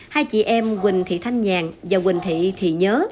hai chị em quỳnh thị thanh nhàn và quỳnh thị thị nhớ